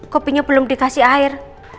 kopinya belum dikasih air